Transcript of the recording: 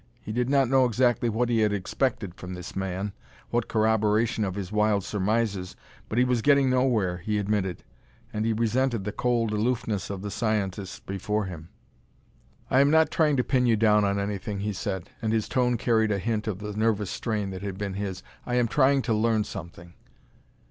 He did not know exactly what he had expected from this man what corroboration of his wild surmises but he was getting nowhere, he admitted. And he resented the cold aloofness of the scientist before him. "I am not trying to pin you down on anything," he said, and his tone carried a hint of the nervous strain that had been his. "I am trying to learn something."